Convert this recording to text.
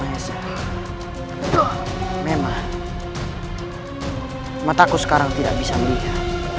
memang mataku sekarang tidak bisa melihat